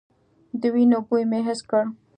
د وينو بوی مې حس کړ.